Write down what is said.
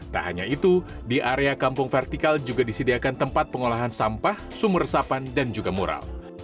tak hanya itu di area kampung vertikal juga disediakan tempat pengolahan sampah sumur resapan dan juga mural